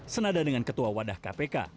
senada dengan ketua wadah kpk